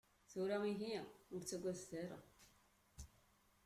Tura ihi, ur ttagadet ara.